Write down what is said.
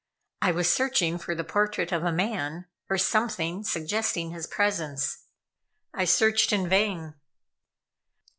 I was searching for the portrait of a man, or something suggesting his presence. I searched in vain.